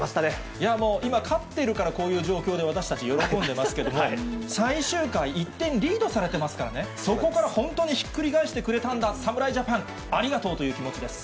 いやもう、今勝ってるから、こういう状況で私たち、喜んでますけども、最終回、１点リードされてますからね、そこから本当にひっくり返してくれたんだ、侍ジャパン、ありがとうという気持ちです。